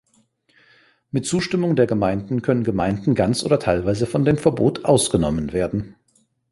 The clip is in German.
Mit Zustimmung der Gemeinden können Gemeinden ganz oder teilweise von dem Verbot ausgenommen werden.